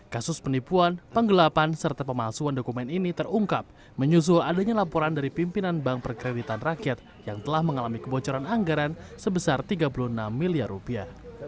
kasus penipuan penggelapan serta pemalsuan dokumen ini terungkap menyusul adanya laporan dari pimpinan bank perkreditan rakyat yang telah mengalami kebocoran anggaran sebesar tiga puluh enam miliar rupiah